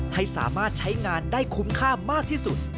ให้สามารถใช้งานได้คุ้มค่ามากที่สุด